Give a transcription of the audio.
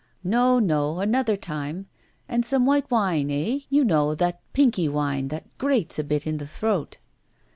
'No, no; another time. And some white wine; eh? you know that pinky wine, that grates a bit in the throat.